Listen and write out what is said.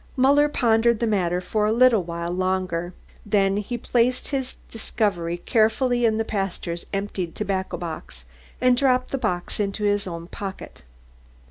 Muller pondered the matter for a little while longer. Then he placed his discovery carefully in the pastor's emptied tobacco box, and dropped the box in his own pocket.